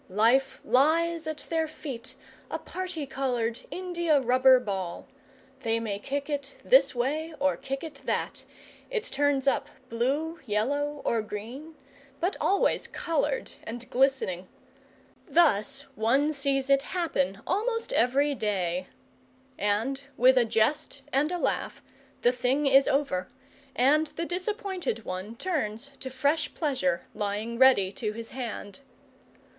Life lies at their feet, a party coloured india rubber ball; they may kick it this way or kick it that, it turns up blue, yellow, or green, but always coloured and glistening. Thus one sees it happen almost every day, and, with a jest and a laugh, the thing is over, and the disappointed one turns to fresh pleasure, lying ready to his hand.